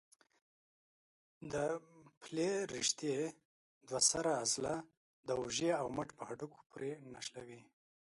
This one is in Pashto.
د پلې رشتې دوه سره عضله د اوږې او مټ په هډوکو پورې نښلوي.